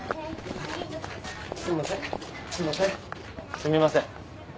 すみません。